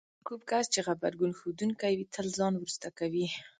کوم کس چې غبرګون ښودونکی وي تل ځان وروسته کوي.